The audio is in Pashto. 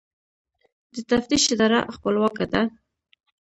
د تفتیش اداره خپلواکه ده؟